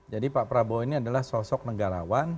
jadi pak prabowo ini adalah sosok negarawan